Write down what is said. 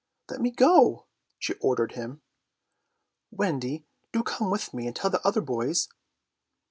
"Let me go!" she ordered him. "Wendy, do come with me and tell the other boys."